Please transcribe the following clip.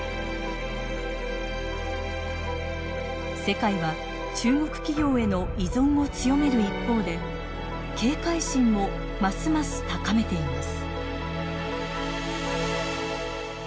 世界は中国企業への依存を強める一方で警戒心もますます高めています。